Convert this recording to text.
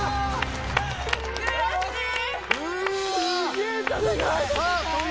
悔しい。